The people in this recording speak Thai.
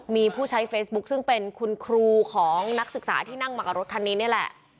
มีผู้ใช้เฟซบุ๊คซึ่งเป็นคุณครูของนักศึกษาที่นั่งมากับรถคันนี้นี่แหละ